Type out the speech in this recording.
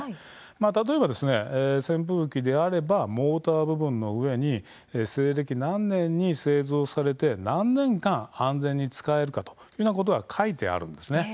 例えば、扇風機であればモーターの部分の上に西暦何年に製造されて何年間安全に使えるかということが書いてあるんです。